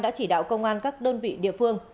đã chỉ đạo công an các đơn vị địa phương